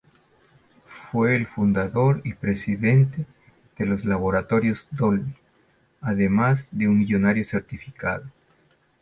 Fue el fundador y presidente de los Laboratorios Dolby, además de un millonario certificado.